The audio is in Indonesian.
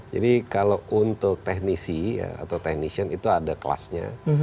jadi kalau untuk teknisi atau technician itu ada kelasnya